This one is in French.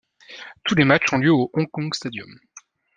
Tous les matchs ont lieu au Hong Kong Stadium.